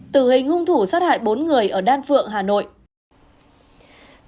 tử hình hung thủ sát hại bốn người ở đan phượng hà nội